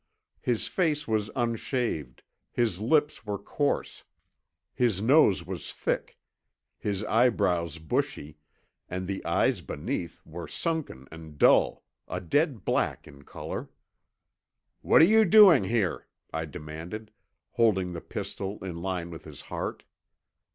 His face was unshaved, his lips were coarse, his nose was thick, his eyebrows bushy, and the eyes beneath were sunken and dull, a dead black in color. "What are you doing here?" I demanded, holding the pistol in line with his heart.